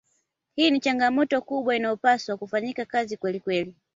Hii ni changamoto kubwa inayopaswa kufanyiwa kazi kwelikweli